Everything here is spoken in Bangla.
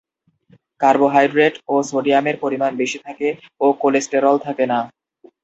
কার্বোহাইড্রেট ও সোডিয়ামের পরিমাণ বেশি থাকে ও কোলেস্টেরল থাকে না।